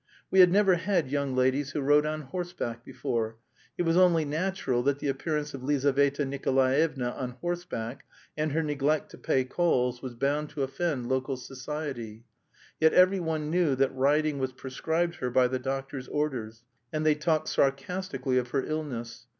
We had never had young ladies who rode on horseback before; it was only natural that the appearance of Lizaveta Nikolaevna on horseback and her neglect to pay calls was bound to offend local society. Yet every one knew that riding was prescribed her by the doctor's orders, and they talked sarcastically of her illness.